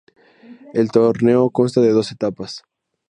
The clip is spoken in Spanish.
El torneo consta de dos etapas.